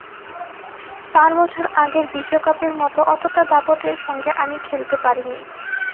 চার বছর আগের বিশ্বকাপের মতো অতটা দাপটের সঙ্গে আমি খেলতে পারিনি।